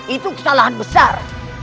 itu kesalahan besar